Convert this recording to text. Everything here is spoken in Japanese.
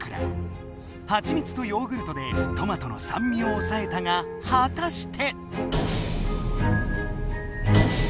はちみつとヨーグルトでトマトのさんみをおさえたがはたして。